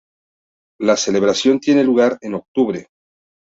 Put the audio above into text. La celebración tiene lugar en octubre.